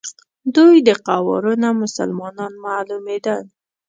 دوی د قوارو نه مسلمانان معلومېدل.